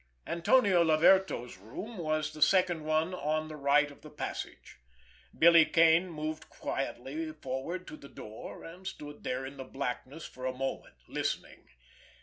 Antonio Laverto's room was the second one on the right of the passage. Billy Kane moved quietly forward to the door, and stood there in the blackness for a moment listening.